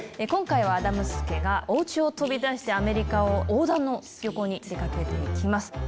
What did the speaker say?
今回はアダムス家がおうちを飛び出してアメリカを横断の旅行に出かけます。